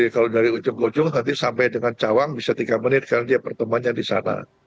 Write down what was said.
kalau dari ujung ujung nanti sampai dengan cawang bisa tiga menit karena dia pertemuannya di sana